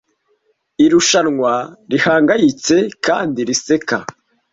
irushanwa rihangayitse kandi riseka